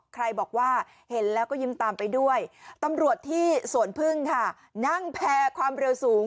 ใครบอกว่าเห็นแล้วก็ยิ้มตามไปด้วยตำรวจที่สวนพึ่งค่ะนั่งแพร่ความเร็วสูง